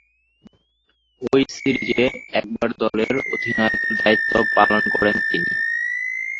ঐ সিরিজে একবার দলের অধিনায়কের দায়িত্ব পালন করেন তিনি।